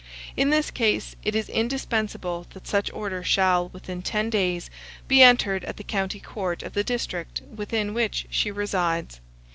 In this case it is indispensable that such order shall, within ten days, be entered at the county court of the district within which she resides.